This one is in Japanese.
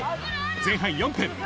前半４分。